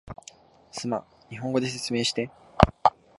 すまん、日本語で説明して